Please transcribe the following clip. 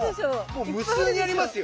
もう無数にありますよ！